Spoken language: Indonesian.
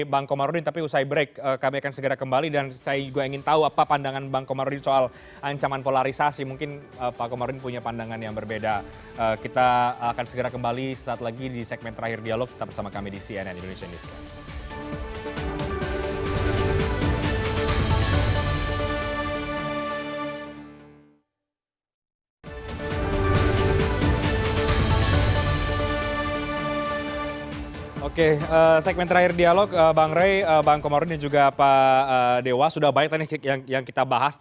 jadi seberapa puluh tahun itu